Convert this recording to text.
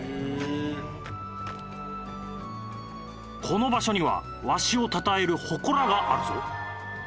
この場所にはわしをたたえる祠があるぞ。